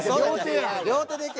両手でいけ。